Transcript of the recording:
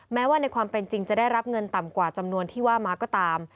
แม้ว่าในความเป็นจริงจะได้รับเงินต่ำกว่าจำนวนที่ว่ามาก็ตาม